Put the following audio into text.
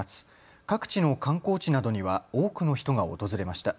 各地の観光地などには多くの人が訪れました。